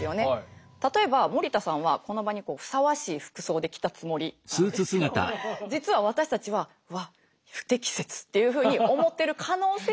例えば森田さんはこの場にふさわしい服装で来たつもりなんですけど実は私たちは「わっ不適切」っていうふうに思ってる可能性もあるということです。